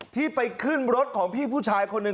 ที่ไปขึ้นรถของพี่ผู้ชายคนหนึ่ง